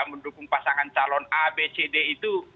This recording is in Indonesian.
mendukung pasangan calon a b c d itu